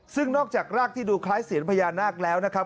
ซึ่งนอกจากรากที่ดูคล้ายเสียนพญานาคแล้วนะครับ